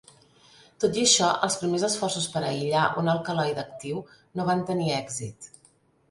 Tot i això, els primers esforços per aïllar un alcaloide actiu no van tenir èxit.